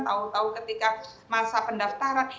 tau tau ketika masa pendaftaran